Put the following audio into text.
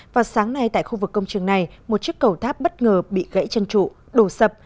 vào sáng nay tại khu vực công trường này một chiếc cầu tháp bất ngờ bị gãy chân trụ đổ sập